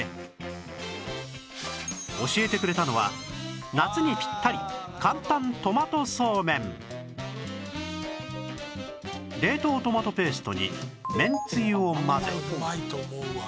教えてくれたのは冷凍トマトペーストにめんつゆを混ぜ